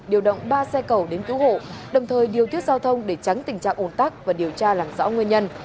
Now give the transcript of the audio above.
điều động ba xe cầu đến cứu hộ đồng thời điều tiết giao thông để tránh tình trạng ồn tắc và điều tra làm rõ nguyên nhân